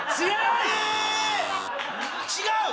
違う！